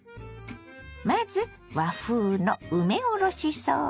まず和風の梅おろしソース。